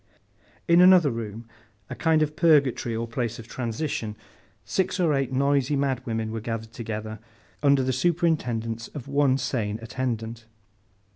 In another room, a kind of purgatory or place of transition, six or eight noisy madwomen were gathered together, under the superintendence of one sane attendant.